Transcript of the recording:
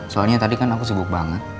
soalnya tadi kan aku sibuk banget